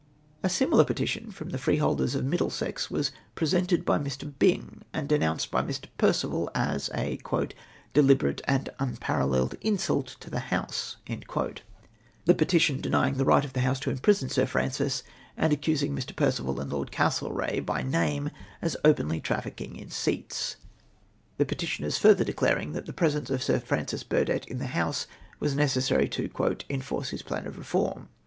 A similar petition from the freeholders of Middle sex was presented b}' Mr. Byng, and denounced by Mr. Perceval as a " deliberate and unparalleled insult to the House ;" the petition den}dng the right of the XAVAL ABUSES. 141 House to impiisou Sir Francis, antl accusing Mr. Per ceval and Lord Castlereagli by name as openly traffick ing in seats ; the petitioners further declaring tliat the presence of Sir Francis Burdett in tlie House was necessary to '' enforce his plan of reform."